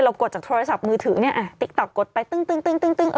กดจากโทรศัพท์มือถือเนี่ยติ๊กต๊อกกดไปตึ้ง